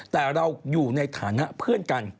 แต่เราอยู่ในฐานะเพื่อนกัน